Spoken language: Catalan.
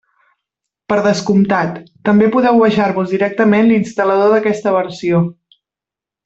Per descomptat, també podeu baixar-vos directament l'instal·lador d'aquesta versió.